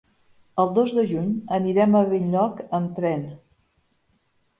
El dos de juny anirem a Benlloc amb tren.